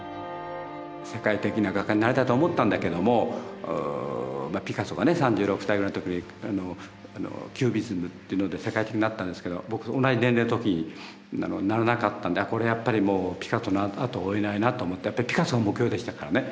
世界的な画家になりたいと思ったんだけどもピカソがね３６歳ぐらいの時にキュビスムっていうので世界的になったんですけど僕同じ年齢の時にならなかったんでこれやっぱりもうピカソのあとを追えないなと思ってやっぱりピカソ目標でしたからね。